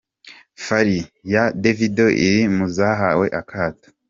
Fall ya Davido iri mu zahawe akato.